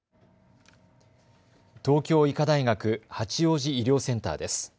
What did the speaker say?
東京医科大学八王子医療センターです。